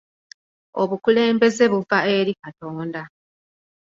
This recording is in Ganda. Obukulembeze buva eri Katonda.